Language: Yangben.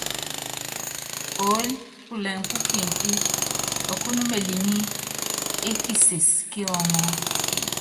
Oól pulɛŋ pú kimfi, ɔkɔ́n meliŋí é kises kí ɔŋɔ́.